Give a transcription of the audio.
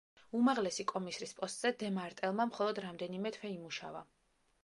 უმაღლესი კომისრის პოსტზე დე მარტელმა მხოლოდ რამდენიმე თვე იმუშავა.